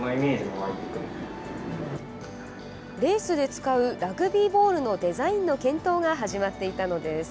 レースで使うラグビーボールのデザインの検討が始まっていたのです。